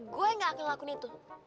gue gak akan lakuin itu